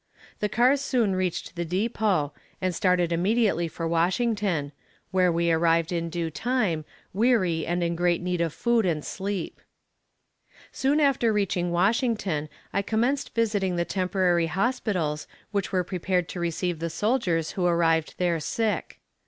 The cars soon reached the depot, and started immediately for Washington where we arrived in due time weary, and in great need of food and sleep. Soon after reaching Washington I commenced visiting the temporary hospitals which were prepared to receive the soldiers who arrived there sick.